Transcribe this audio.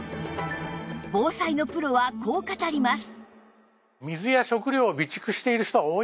防災のプロはこう語ります